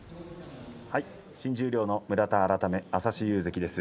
新十両の村田改め朝志雄関です。